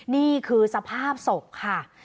นี่คือสภาพศพค่ะ